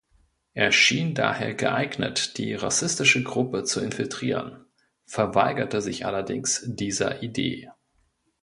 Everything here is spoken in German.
Er schien daher geeignet, die rassistische Gruppe zu infiltrieren, verweigerte sich allerdings dieser Idee.